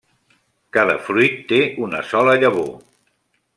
Cada fruit té una sola llavor.